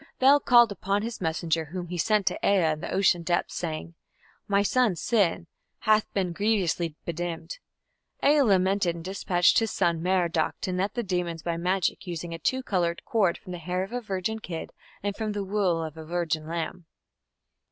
Bel called upon his messenger, whom he sent to Ea in the ocean depths, saying: "My son Sin ... hath been grievously bedimmed". Ea lamented, and dispatched his son Merodach to net the demons by magic, using "a two coloured cord from the hair of a virgin kid and from the wool of a virgin lamb".